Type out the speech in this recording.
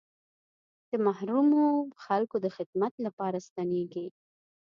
د محرومو خلکو د خدمت لپاره ستنېږي.